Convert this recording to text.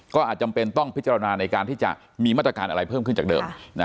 ก็อาจจำเป็นต้องพิจารณาในการที่จะมีมาตรการอะไรเพิ่มขึ้นจากเดิม